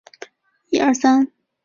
日本的菜刀也被称之为庖丁。